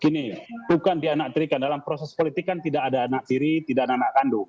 gini bukan dianak terikan dalam proses politik kan tidak ada anak tiri tidak ada anak kandung